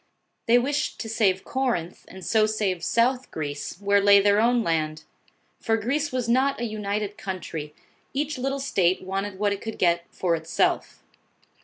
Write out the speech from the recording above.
They wished to save Corinth, and so save South Greece, where lay their own land ; for Greece was not a united country ; each little state wanted what it could get for itself.